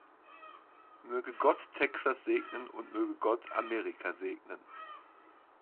Möge Gott Texas segnen und möge Gott Amerika segnen.